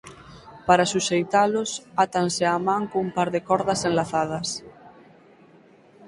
Para suxeitalos átanse á man cun par de cordas enlazadas.